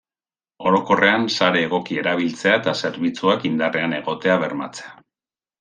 Orokorrean sare egoki erabiltzea eta zerbitzuak indarrean egotea bermatzea.